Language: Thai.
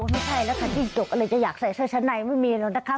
ไม่ใช่แล้วแล้วจินจุกจะอยากใส่เชิญชะไหนไม่มีแล้วนะคะ